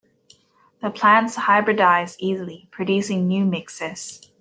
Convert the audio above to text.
The plants hybridize easily, producing new mixes.